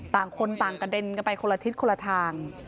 ต่างคนต่างกระเด็นกันไปคนละทิศคนละทาง